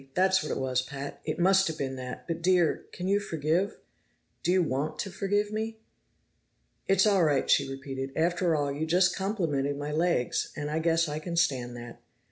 "That's what it was, Pat. It must have been that, but Dear, can you forgive? Do you want to forgive me?" "It's all right," she repeated. "After all, you just complimented my legs, and I guess I can stand that.